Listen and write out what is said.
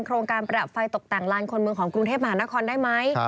โครงการประดับไฟตกแต่งลานคนเมืองของกรุงเทพมหานครได้ไหม